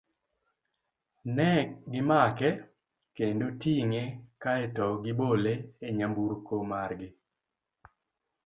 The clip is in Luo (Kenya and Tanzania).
Ne gimake kendo tinge kae to gibole e nyamburko mar gi.